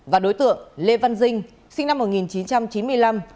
và đối tượng lê văn dinh sinh năm một nghìn chín trăm chín mươi năm